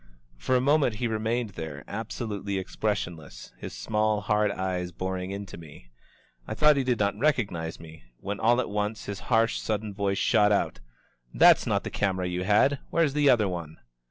For a moment he remained there, absolutely expressionless, his small, hard eyes boring into me. I thought he did not recognize me, when all at once his harsh, sudden voice shot out : "That's not the camera you had! Where's the other one?"